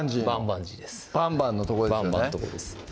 「バンバン」のとこです